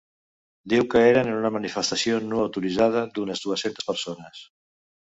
Diu que eren en una ‘manifestació no autoritzada’ d’unes dues-centes persones.